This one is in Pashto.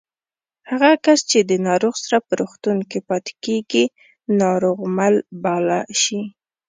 هغه کس چې د ناروغ سره په روغتون کې پاتې کېږي ناروغمل باله شي